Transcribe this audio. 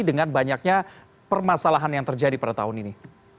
dengan banyaknya permasalahan yang terjadi pada tahun ini